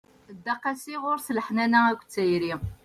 Dda qasi, ɣur-s leḥnana akked tayri.